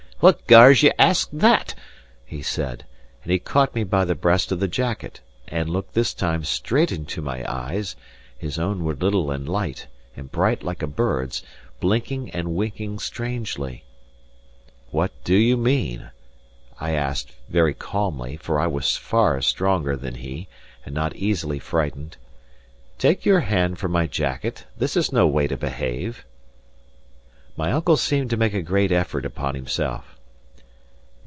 "What gars ye ask that?" he said, and he caught me by the breast of the jacket, and looked this time straight into my eyes: his own were little and light, and bright like a bird's, blinking and winking strangely. "What do you mean?" I asked, very calmly, for I was far stronger than he, and not easily frightened. "Take your hand from my jacket. This is no way to behave." My uncle seemed to make a great effort upon himself.